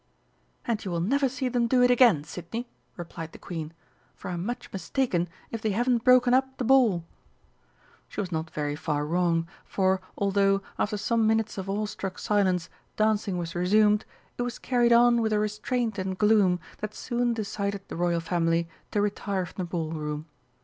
"And you will never see them do it again, Sidney," replied the Queen; "for I'm much mistaken if they haven't broken up the Ball!" She was not very far wrong, for although, after some minutes of awestruck silence, dancing was resumed, it was carried on with a restraint and gloom that soon decided the Royal Family to retire from the Ball Room.